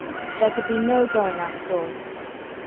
There could be no going out of doors.